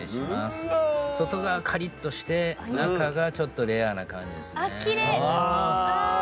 外側カリッとして中がちょっとレアな感じですね。